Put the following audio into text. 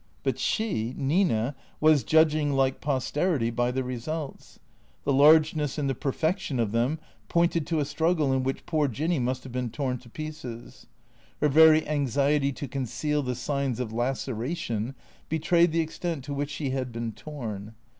But she, Nina, was judging, like posterity, by the results. The largeness and the perfection of them pointed to a struggle in which poor Jinny must have been torn in pieces. Her very anxiety to con ceal the signs of laceration betrayed the extent to which she had been torn.